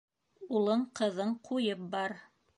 Улың-ҡыҙың ҡуйып бар.